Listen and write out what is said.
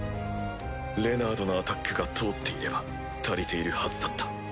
レナードのアタックが通っていれば足りているはずだった。